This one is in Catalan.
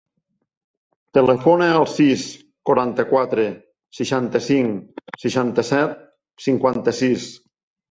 Telefona al sis, quaranta-quatre, seixanta-cinc, seixanta-set, cinquanta-sis.